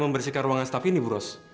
membersihkan ruangan staff ini bu ros